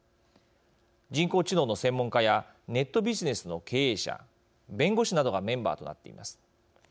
人工知能の専門家やネットビジネスの経営者弁護士などがメンバーとなっています。